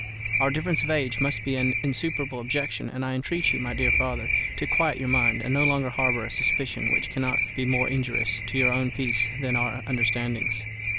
Our difference of age must be an insuperable objection, and I entreat you, my dear father, to quiet your mind, and no longer harbour a suspicion which cannot be more injurious to your own peace than to our understandings.